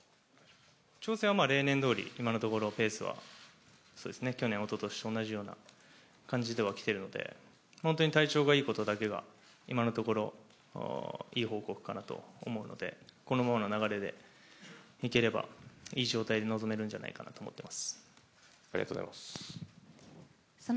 調整は例年どおり、ペースは去年、おととしと同じような感じでは来ているので、本当に体調がいいことだけが今のところ、いい報告かなと思うので、このままの流れでいければ、いい状態で臨めるんじゃないかなと思っています。